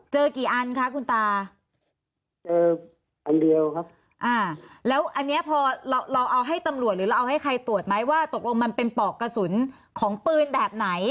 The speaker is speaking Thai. เจอกี่อันคะคุณตาเจออันเดียวครับอ่าแล้วอันเนี้ยพอเราเราเอาให้ตำรวจหรือเราเอาให้ใครตรวจไหมว่าตกลงมันเป็นปอกกระสุนของปืนแบบไหน